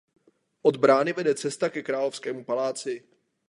Od brány vede cesta ke královskému paláci.